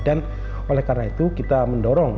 dan oleh karena itu kita mendorong